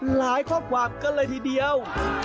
หลายความความกันเลยทีเดียว